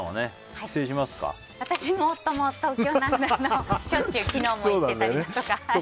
私も夫も東京なのでしょっちゅう昨日も行ってたりとか。